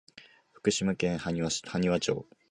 福島県塙町